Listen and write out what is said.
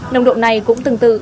nồng độ này cũng tương tự